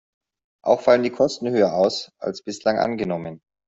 Auch fallen die Kosten höher aus, als bislang angenommen.